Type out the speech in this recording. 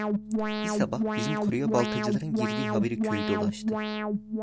Bir sabah, bizim koruya baltacıların girdiği haberi köyü dolaştı.